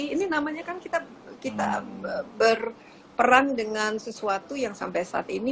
ini namanya kan kita berperan dengan sesuatu yang sampai saat ini